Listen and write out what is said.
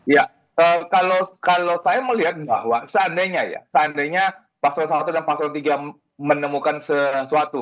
ya kalau saya melihat bahwa seandainya pak sloan i dan pak sloan iii menemukan sesuatu